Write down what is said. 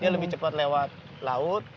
lebih cepat lewat laut